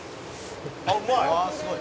「あっうまい。